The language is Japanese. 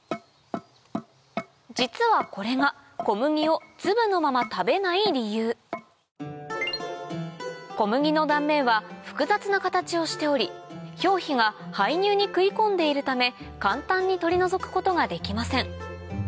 実はこれが小麦を粒のまま食べない理由小麦の断面は複雑な形をしており表皮が胚乳に食い込んでいるため簡単に取り除くことができません